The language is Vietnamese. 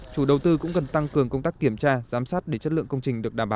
chủ đầu tư cũng cần tăng cường công tác kiểm tra giám sát để chất lượng công trình được đảm bảo